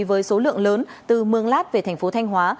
với số lượng lớn từ mường lát về thành phố thanh hóa